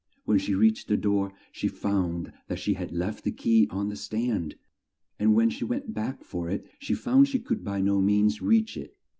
When she reached the door she found that she had left the key on the stand, and when she went back for it, she found she could by no means reach it.